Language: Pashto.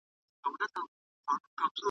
په دې تور اغزن سفر کي انسانان لکه ژوري ,